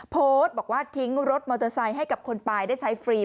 โพสต์บอกว่าทิ้งรถมอเตอร์ไซค์ให้กับคนตายได้ใช้ฟรี